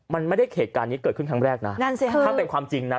มันไม่ได้เหตุการณ์นี้เกิดขึ้นครั้งแรกนะ